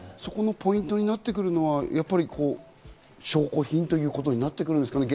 ポイントになってくるのは証拠品ということになってくるんですかね。